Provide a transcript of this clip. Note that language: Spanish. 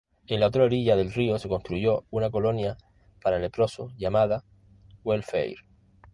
En la otra orilla del río se construyó una colonia para leprosos, llamada Welfare.